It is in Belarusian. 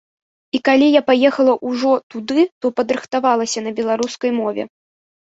І калі я паехала ўжо туды, то падрыхтавалася на беларускай мове.